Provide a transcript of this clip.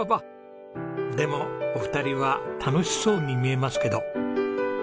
でもお二人は楽しそうに見えますけど。